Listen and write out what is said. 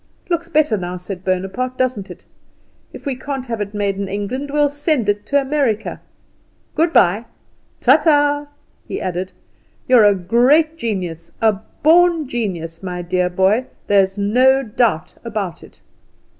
"Looks better now," said Bonaparte, "doesn't it? If we can't have it made in England we'll send it to America. Good bye; ta ta," he added. "You're a great genius, a born genius, my dear boy, there's no doubt about it."